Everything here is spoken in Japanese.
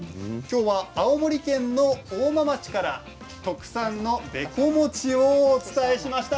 青森県の大間町から特産のべこもちをお伝えしました。